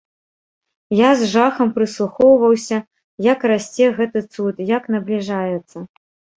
Я з жахам прыслухоўваўся, як расце гэты гуд, як набліжаецца.